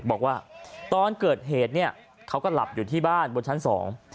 บอกว่าตอนเกิดเหตุเนี่ยเขาก็หลับอยู่ที่บ้านบนชั้นสอง